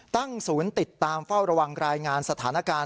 ตั้งศูนย์ติดตามเฝ้าระวังรายงานสถานการณ์